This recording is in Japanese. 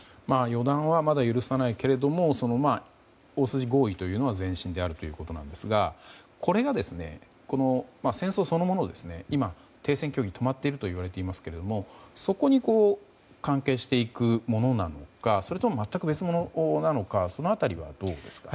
予断は許さないけれども大筋合意というのは前進であるということですがこれが、戦争そのものを今、停戦協議が止まっているといわれていますがそこに関係していくものなのかそれとも全く別物なのかその辺りはどうですか。